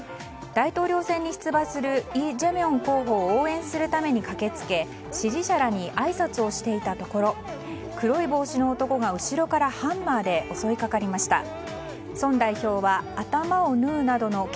大統領選に出馬するイ・ジェミョン候補を応援するために駆けつけ、支持者らにあいさつをしていたところ黒い帽子の男が後ろからハンマーで襲いかかりました。